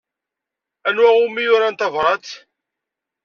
Anwa umi urant tabṛat?